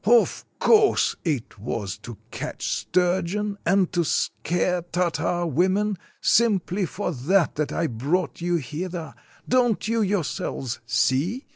Of course, it was to catch sturgeon and to scare Tartar women ; simply for that that I brought you hither. Don't you yourselves see?